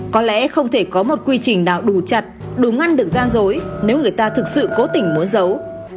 có lẽ không thể có một quy trình nào đủ chặt đủ ngăn được gian dối nếu người ta thực sự cố tình muốn dấu